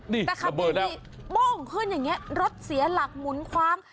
แต่คันที่นี่โบ้งขึ้นอย่างนี้รถเสียหลักหมุนความ